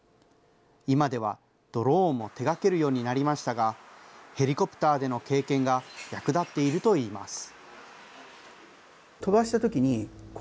今ではドローンも手がけるようになりましたが、ヘリコプターでの経験が役立っているといいます。